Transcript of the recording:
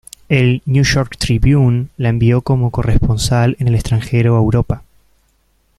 El "New York Tribune" la envió como corresponsal en el extranjero a Europa.